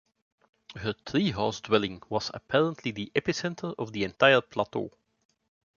Her tree-house dwelling was apparently the epicenter of the entire Plateau.